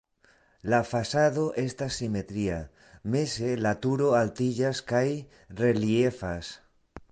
La fasado estas simetria, meze la turo altiĝas kaj reliefas.